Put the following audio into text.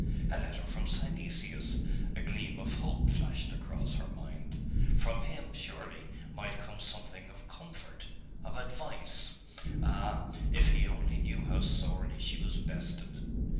A letter from Synesius? A gleam of hope flashed across her mind. From him, surely, might come something of comfort, of advice. Ah! if he only knew how sorely she was bested!